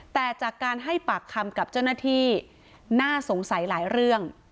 แต่จากการให้ปากคำกับเจ้าหน้าที่น่าสงสัยหลายเรื่อง